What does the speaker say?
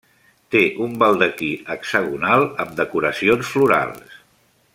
Té un baldaquí hexagonal amb decoracions florals.